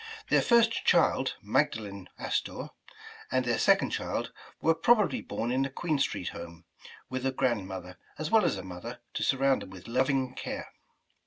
Their first child, Magdalen Astor, and their second child, were probably born in the Queen Street home, with a grandmother, as well as a mother, to surround them with loving care.